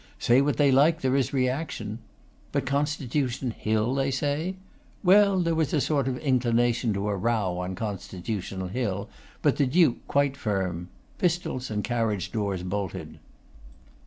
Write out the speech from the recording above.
Say what they like, there is reaction.' 'But Constitution Hill, they say?' 'Well, there was a sort of inclination to a row on Constitution Hill; but the Duke quite firm; pistols, and carriage doors bolted.